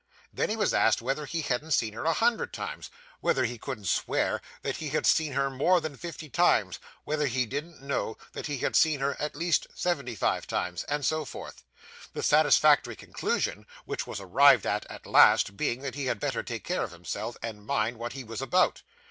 Then he was asked whether he hadn't seen her a hundred times whether he couldn't swear that he had seen her more than fifty times whether he didn't know that he had seen her at least seventy five times, and so forth; the satisfactory conclusion which was arrived at, at last, being, that he had better take care of himself, and mind what he was about.